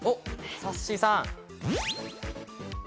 さっしーさん。